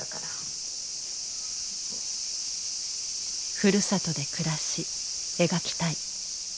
「ふるさとで暮らし描きたい」。